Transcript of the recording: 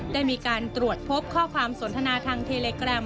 ได้มีการตรวจพบข้อความสนทนาทางเทเลแกรม